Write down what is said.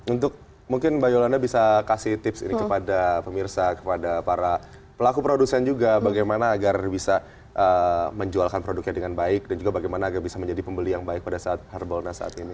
untuk mungkin mbak yolanda bisa kasih tips ini kepada pemirsa kepada para pelaku produsen juga bagaimana agar bisa menjualkan produknya dengan baik dan juga bagaimana agar bisa menjadi pembeli yang baik pada saat harbolnas saat ini